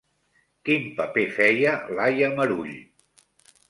Quin paper feia Laia Marull?